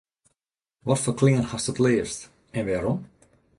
Watfoar klean hast it leafst en wêrom?